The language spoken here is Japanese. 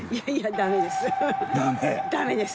ダメです。